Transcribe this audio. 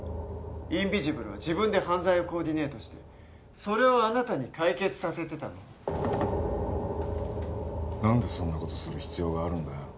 インビジブルは自分で犯罪をコーディネートしてそれをあなたに解決させてたの何でそんなことする必要があるんだよ